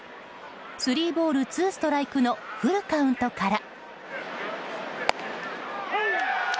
スリーボールツーストライクのフルカウントから。